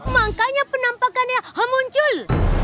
makanya penampakannya muncul